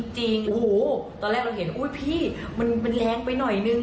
จริงโอ้โหตอนแรกเราเห็นอุ๊ยพี่มันแรงไปหน่อยนึง